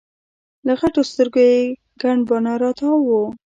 له غټو سترګو یي ګڼ باڼه راتاو وو